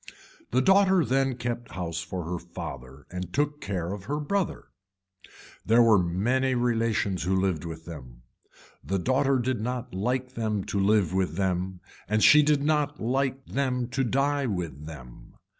The daughter then kept house for her father and took care of her brother. There were many relations who lived with them. The daughter did not like them to live with them and she did not like them to die with them.